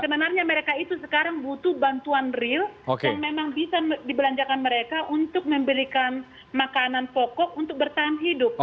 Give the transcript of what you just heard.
sebenarnya mereka itu sekarang butuh bantuan real yang memang bisa dibelanjakan mereka untuk memberikan makanan pokok untuk bertahan hidup